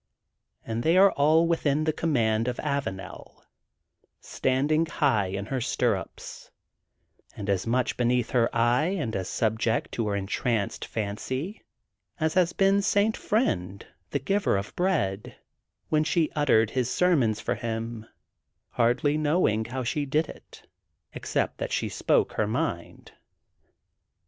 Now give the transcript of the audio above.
And they are all within the command of Avanel, standing high in her stirrups, and as much beneath her eye and as subject td her entranced fancy, as has been St. Friend, the Giver of Bread, when she uttered his ser mons for him, hardly knowing how she did it, except that she spoke her mind.